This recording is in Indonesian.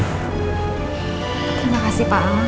terima kasih pak al